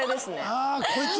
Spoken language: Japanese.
ああこいつ。